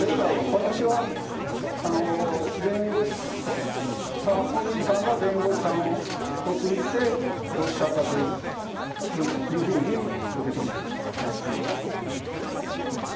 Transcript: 私は弁護士さん、本人さんが弁護士さんを通じておっしゃったというふうに受け止めています。